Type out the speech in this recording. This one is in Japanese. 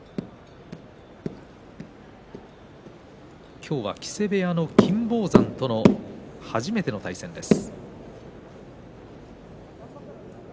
今日は木瀬部屋の金峰山との初めての対戦です。